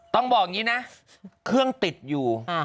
ต้องบอกอย่างนี้นะเครื่องติดอยู่